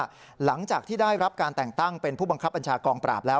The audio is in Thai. หลังจากที่ได้รับการแต่งตั้งเป็นผู้บังคับอัญชากองปราบแล้ว